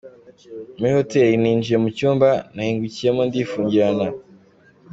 Muri hotel, ninjiye mu cyumba nahingukiyeho ndifungirana.